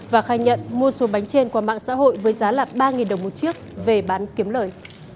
và khai nhận mua số bánh trên qua mạng xã hội với giá ba đồng một chiếc về bán kiếm lời